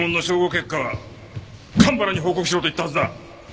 結果は蒲原に報告しろと言ったはずだ。